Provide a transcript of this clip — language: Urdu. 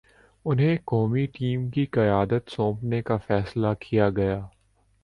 انہیں قومی ٹیم کی قیادت سونپنے کا فیصلہ کیا گیا۔